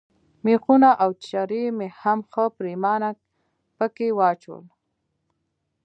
مېخونه او چرې مې هم ښه پرېمانه پکښې واچول.